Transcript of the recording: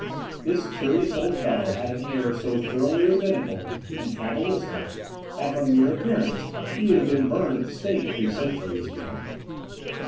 This curious old fellow had an air so thoroughly rabbinical and cabalistic, that, from mere appearance, he would have been burned at the stake three centuries ago.